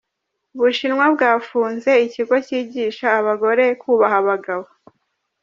Ubushinwa bwafunze ikigo kigisha abagore kubaha abagabo.